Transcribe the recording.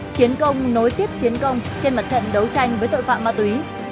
chiến công nối tiếp chiến công trên mặt trận đấu tranh với tội phạm ma túy